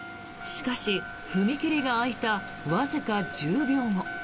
しかし、踏切が開いたわずか１０秒後。